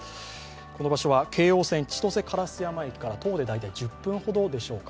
この場所は京王線千歳烏山駅から徒歩で大体１０分ほどでしょうか。